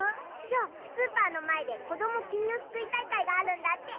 きょうスーパーのまえでこどもきんぎょすくいたいかいがあるんだって！